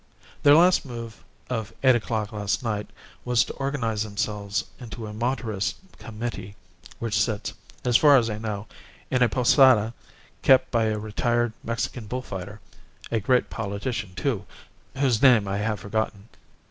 "Their last move of eight o'clock last night was to organize themselves into a Monterist Committee which sits, as far as I know, in a posada kept by a retired Mexican bull fighter, a great politician, too, whose name I have forgotten.